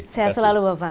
saya selalu bapak